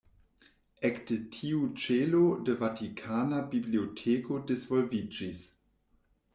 Ekde tiu ĉelo la Vatikana Biblioteko disvolviĝis.